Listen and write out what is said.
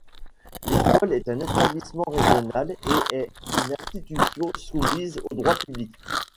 L’école est un établissement régional et est une institution soumise au droit public.